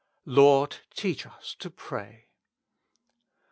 "Lord, teach us to pray."